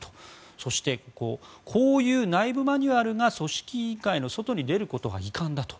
そしてこういう内部マニュアルが組織委員会の外に出ることは遺憾だと。